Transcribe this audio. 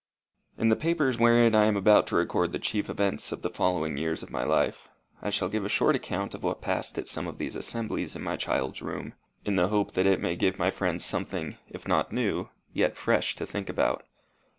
In the papers wherein I am about to record the chief events of the following years of my life, I shall give a short account of what passed at some of these assemblies in my child's room, in the hope that it may give my friends something, if not new, yet fresh to think about.